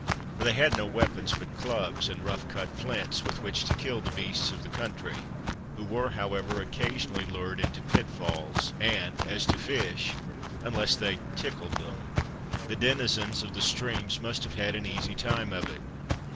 For they had no weapons but clubs, and rough cut flints, with which to kill the beasts of the country who were, however, occasionally lured into pitfalls; and as to fish, unless they "tickled" them, the denizens of the streams must have had an easy time of it.